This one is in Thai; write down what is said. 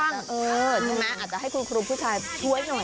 ใช่ไหมอาจจะให้คุณครูผู้ชายช่วยหน่อย